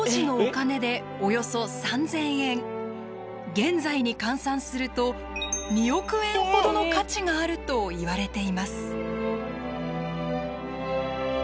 現在に換算すると２億円ほどの価値があるといわれています。